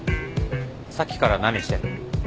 さっきから何してんの？